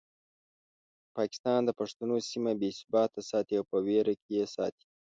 پاکستان د پښتنو سیمه بې ثباته ساتي او په ویر کې یې ساتي.